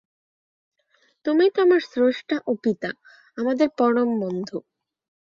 তুমিই তো আমাদের স্রষ্টা ও পিতা, আমাদের পরম বন্ধু।